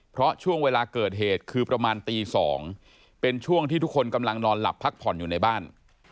เพราะช่วงเวลาเกิดเหตุคือประมาณตี๒เป็นช่วงที่ทุกคนกำลังนอนหลับพักผ่อนอยู่ในบ้าน